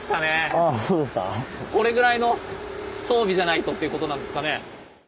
あそうですか。これぐらいの装備じゃないとっていうことなんですかね。